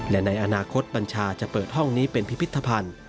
และในอนาคตบัญชาจะเปิดห้องนี้เป็นพิพิธภัณฑ์